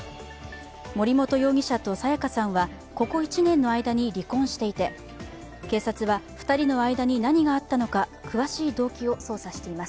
森本容疑者と彩加さんはここ１年の間に離婚していて警察は２人の間に何があったのか詳しい動機を捜査しています。